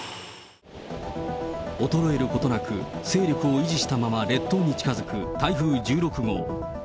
衰えることなく、勢力を維持したまま列島に近づく台風１６号。